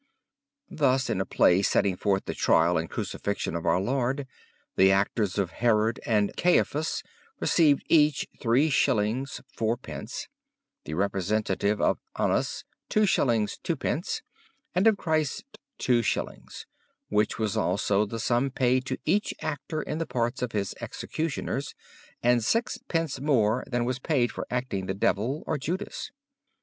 Thus in a play setting forth the Trial and Crucifixion of our Lord, the actors of Herod and Caiaphas received each 3s. 4d.; the representative of Annas, 2s. 2d.; and of Christ 2s.; which was also the sum paid to each actor in the parts of His executioners, and 6d. more than was paid for acting the Devil or Judas.